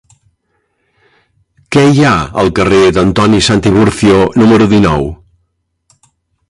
Què hi ha al carrer d'Antoni Santiburcio número dinou?